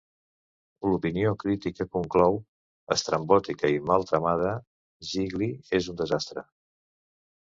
L'opinió crítica conclou: "Estrambòtica i mal tramada, 'Gigli' és un desastre".